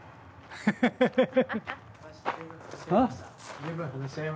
ハッハハハ。